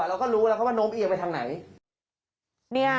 เราก็รู้แล้วว่าน้มเอียเว่ายังไง